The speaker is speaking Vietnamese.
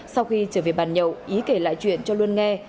sau khi trở về bàn nhậu ý kể lại chuyện cho luân nghe